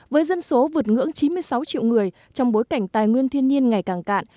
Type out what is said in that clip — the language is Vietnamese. với dân số vượt ngưỡng chín mươi sáu triệu người trong bối cảnh tài nguyên thiên nhiên ngày càng cạn